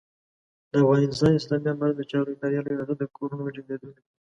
د افغانستان اسلامي امارت د چارو ادارې لوی رياست د کورونو او جایدادونو